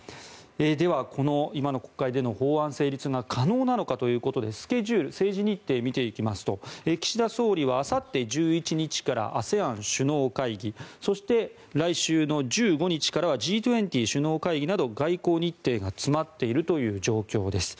では、この今の国会での法案成立が可能なのかということでスケジュール、政治日程を見ていきますと岸田総理はあさって１１日からＡＳＥＡＮ首脳会議そして、来週の１５日からはＧ２０首脳会議など外交日程が詰まっているという状況です。